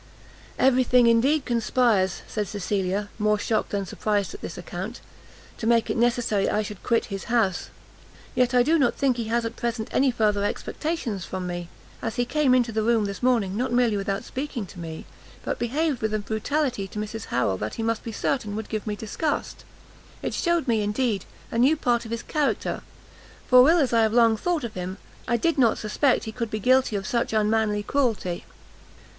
"Every thing indeed conspires," said Cecilia, more shocked than surprised at this account, "to make it necessary I should quit his house; yet I do not think he has at present any further expectations from me, as he came into the room this morning not merely without speaking to me, but behaved with a brutality to Mrs Harrel that he must be certain would give me disgust. It shewed me, indeed, a new part of his character, for ill as I have long thought of him, I did not suspect he could be guilty of such unmanly cruelty."